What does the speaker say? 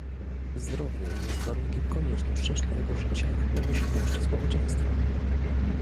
Zdrowie jest warunkiem koniecznym szczęśliwego życia i pomyślności społeczeństwa